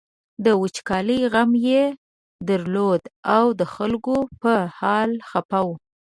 د وچکالۍ غم یې درلود او د خلکو په حال خپه و.